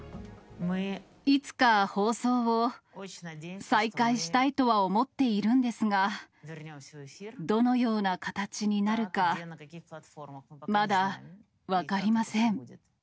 いつか放送を再開したいとは思っているんですが、どのような形になるか、まだ分かりません。